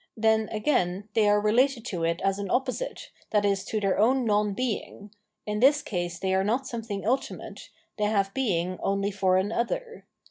Then, again, they ^®ated to it as an opposite, that is to their own non bej2g; ui this case they are not something ulti mate, tliey have being only for an other.